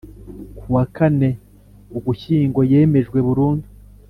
kuwa kane Ugushyingo yemejwe burundu